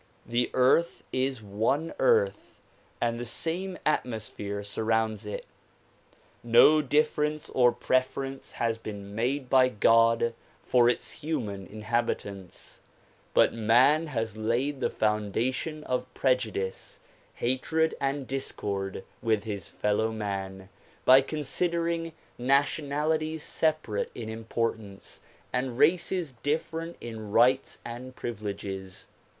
The earth is one earth and the same atmosphere surrounds it. No difference or preference has been made by God for its human inhabitants; but man has laid the foundation of prejudice, hatred and discord with his fellow man by considering nationalities separate in importance and races different in rights and privileges.